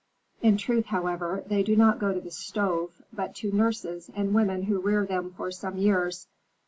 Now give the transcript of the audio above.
"In truth, however, they do not go to the stove, but to nurses and women who rear them for some years.